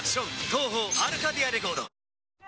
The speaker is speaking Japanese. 東方アルカディアレコード。